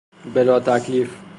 بلاتکلیف